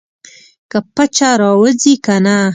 که پچه راوځي کنه.